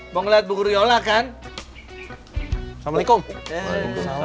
holiday hari darah betul sekali